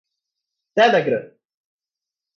Telegram